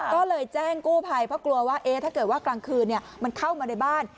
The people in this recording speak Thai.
ก็เลยแจ้งกู้ภัยเพราะกลัวว่าถ้าเกิดว่ากลางคืนมันเข้ามาในบ้าน